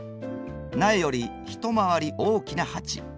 苗より一回り大きな鉢。